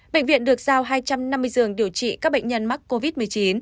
bệnh viện được giao hai trăm năm mươi giường điều trị các bệnh nhân mắc covid một mươi chín